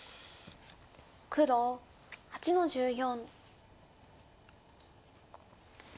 黒８の十四。